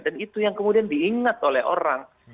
dan itu yang kemudian diingat oleh orang